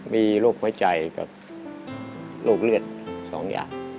มีโรคหัวใจกับโรคเลือดสองอย่าง